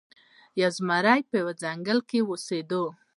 یو زمری په یوه ځنګل کې اوسیده.